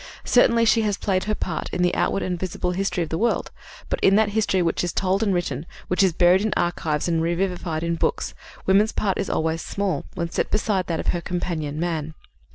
Certainly she has played her part in the outward and visible history of the world, but in that history which is told and written, which is buried in archives and revivified in books, woman's part is always small when set beside that of her companion, man.